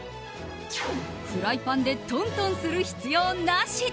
フライパンでトントンする必要なし！